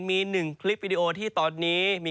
มี๑คลิปวิดีโอที่ตอนนี้มี